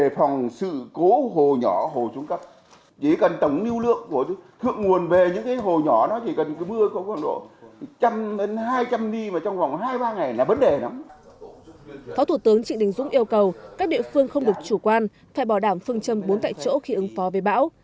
phó thủ tướng trịnh đình dũng yêu cầu các địa phương không được chủ quan phải bảo đảm phương châm bốn tại chỗ khi ứng phó với bão